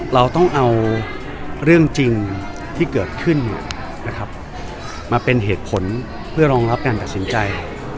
เราต้องเอาเรื่องจริงที่เกิดขึ้นนะครับมาเป็นเหตุผลเพื่อรองรับการตัดสินใจ